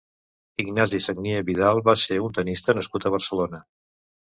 Ignasi Sagnier Vidal va ser un tennista nascut a Barcelona.